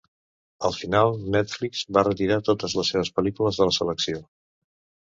Al final, Netflix va retirar totes les seves pel·lícules de la selecció.